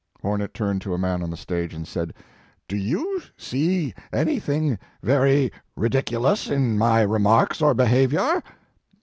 Hornet turned to a man on the stage, and said: "Do you see anything very ridiculous in my remarks or behavior?"